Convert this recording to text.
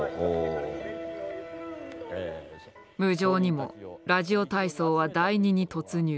無情にもラジオ体操は第２に突入。